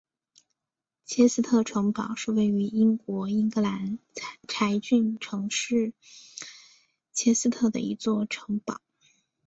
切斯特城堡是位于英国英格兰柴郡城市切斯特的一座城堡。